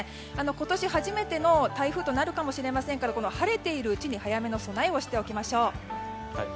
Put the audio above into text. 今年初めての台風となるかもしれませんから晴れているうちに早めの備えをしておきましょう。